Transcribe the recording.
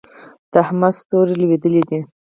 د احمد ستوری لوېدلی دی.